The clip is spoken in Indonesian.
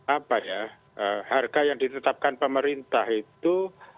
itu memang apa ya harga yang ditetapkan pemerintah itu